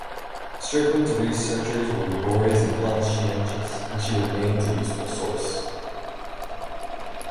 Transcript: Strickland's researches were laborious and conscientious, and she remains a useful source.